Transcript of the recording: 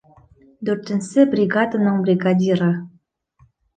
Дүртенсе бригаданың бригадиры...